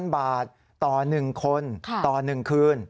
๐บาทต่อ๑คนต่อ๑คืน